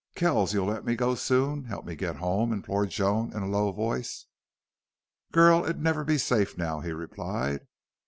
"Kells, you'll let me go soon help me to get home?" implored Joan in a low voice. "Girl, it'd never be safe now," he replied.